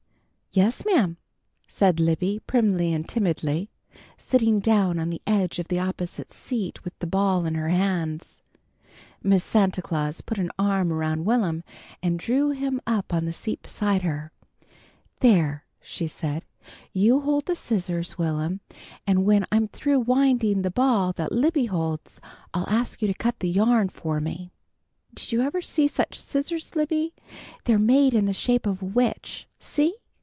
"Yes, ma'am," said Libby, primly and timidly, sitting down on the edge of the opposite seat with the ball in her hands. Miss Santa Claus put an arm around Will'm and drew him up on the seat beside her. "There," she said. "You hold the scissors, Will'm, and when I'm through winding the ball that Libby holds, I'll ask you to cut the yarn for me. Did you ever see such scissors, Libby? They're made in the shape of a witch. See!